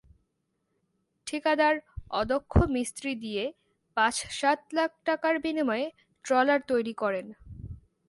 ঠিকাদার অদক্ষ মিস্ত্রি দিয়ে পাঁচ-সাত লাখ টাকার বিনিময়ে ট্রলার তৈরি করেন।